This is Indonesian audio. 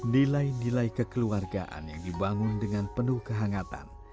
nilai nilai kekeluargaan yang dibangun dengan penuh kehangatan